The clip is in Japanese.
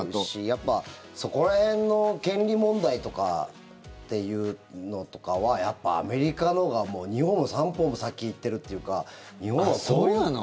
やっぱそこら辺の権利問題とかっていうのとかはやっぱりアメリカのほうがもう２歩も３歩も先行ってるっていうかそうなの？